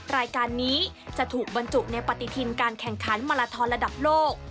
รายการนี้จะถูกบรรจุในปฏิทินการแข่งขันมาลาทอนระดับโลก